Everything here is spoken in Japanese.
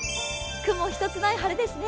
雲一つない晴れですね。